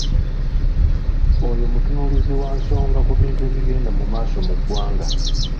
Oyo mutunuulizi wa nsonga ku bintu ebigenda mu maaso mu ggwanga.